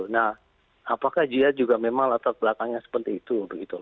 nah apakah dia juga memang latar belakangnya seperti itu